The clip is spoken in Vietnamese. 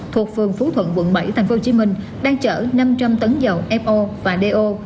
thuộc phường phú thuận quận bảy tp hcm đang chở năm trăm linh tấn dầu fo và do